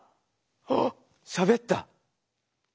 あしゃべった！